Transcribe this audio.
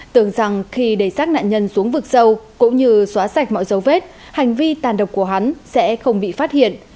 tưởng rằng khi để xác nạn nhân xuống vực sâu cũng như xóa sạch mọi dấu vết hành vi tàn độc của hắn sẽ không bị phát hiện